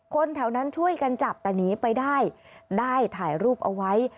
คนแถวนั้นช่วยกันจับแต่หนีไปได้ได้ถ่ายรูปเอาไว้